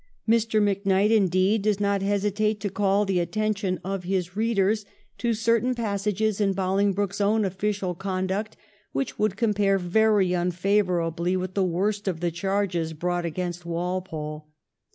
Mr. MacKnight, indeed, does not hesitate to call the attention of his readers 1712 COMPARED WITH BOLINGBROKE. 231 to certain passages in Bolingbroke's own official con duct which would compare very unfavourably with the worst of the charges brought against Walpole.